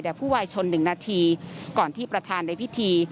ผู้วายชน๑นาทีก่อนที่ประธานในพิธี